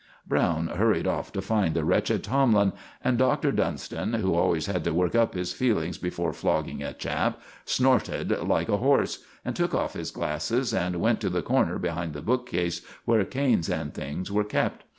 Browne hurried off to find the wretched Tomlin; and Doctor Dunston, who always had to work up his feelings before flogging a chap, snorted like a horse, and took off his glasses, and went to the corner behind the book case where canes and things were kept.